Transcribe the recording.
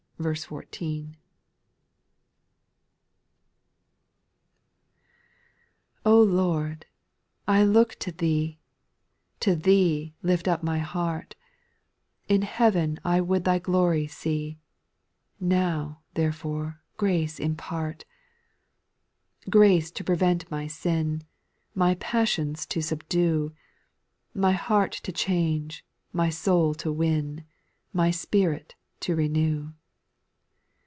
1. r\ LORD I I look to Thee ; \J To Thee lift up my heart, In heaven I would Thy glory see, Now, therefore, grace impart. 2. Grace to prevent my sin. My passions to subdue. My heart to change, my soul to win, My spirit to renew.